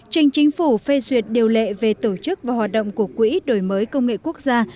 trình chính phủ phê duyệt điều lệ về tổ chức và hoạt động của quỹ đổi mới công nghệ quốc gia